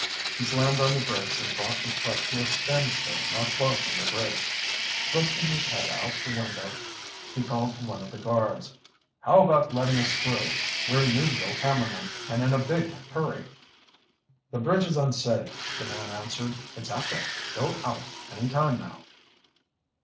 He slammed on the brakes and brought the truck to a standstill not far from the bridge. Thrusting his head out the window, he called to one of the guards: "How about letting us through? We're newsreel cameramen and in a big hurry." "The bridge is unsafe," the man answered. "It's apt to go out any time now."